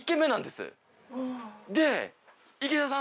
で池田さん